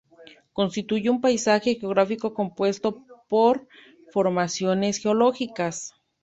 Constituye un paisaje geográfico compuesto por formaciones geológicas.